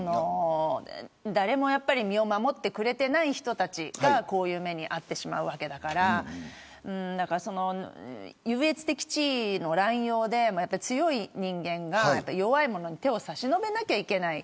誰も身を守ってくれていない人たちがこういう目に遭ってしまうわけだから優越的地位の乱用で強い人間が弱いものに手を差し伸べなければいけない。